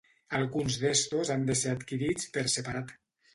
Alguns d'estos han de ser adquirits per separat.